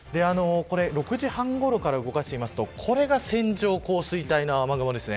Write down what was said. ６時半ごろから動かしていくとこれが線状降水帯の雨雲です。